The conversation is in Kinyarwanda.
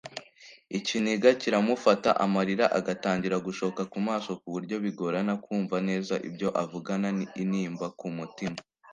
ikiniga kiramufata amarira agatangira gushoka ku maso ku buryo bigorana kumva neza ibyo avugana intimba ku mutima